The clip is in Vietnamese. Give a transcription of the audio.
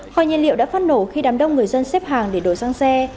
kho nhiên liệu đã phát nổ khi đám đông người dân xếp hàng để đổi sang xe